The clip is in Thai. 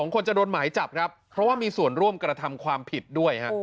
คนจะโดนหมายจับครับเพราะว่ามีส่วนร่วมกระทำความผิดด้วย